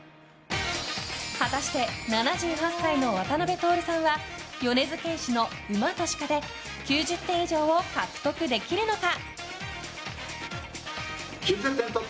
果たして、７８歳の渡邉徹さんは米津玄師の「馬と鹿」で９０点以上を獲得できるのか。